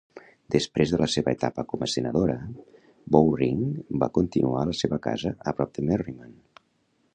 Després de la seva etapa com a senadora, Bowring va continuar a la seva casa a prop de Merriman.